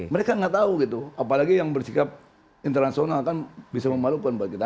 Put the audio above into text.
mereka nggak tahu gitu apalagi yang bersikap internasional kan bisa memalukan buat kita